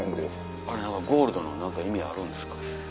あれゴールドの何か意味あるんですか？